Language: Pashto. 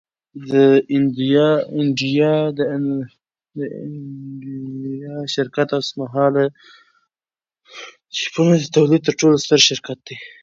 د انویډیا شرکت اوسمهال د چیپونو د تولید تر ټولو ستر شرکت دی